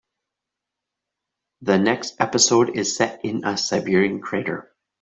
The next episode is set in a Siberian crater.